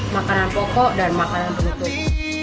makanan pokok dan makanan penutup